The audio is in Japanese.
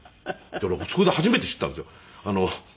俺そこで初めて知ったんですよ。